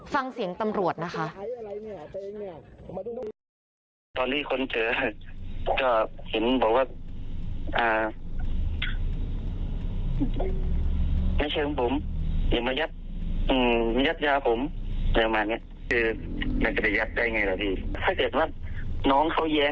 ฟังเสียงตำรวจนะคะ